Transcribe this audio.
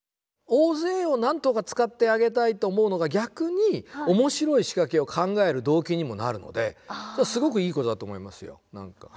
大勢をなんとか使ってあげたいと思うのが逆に面白い仕掛けを考える動機にもなるのですごくいいことだと思いますよ。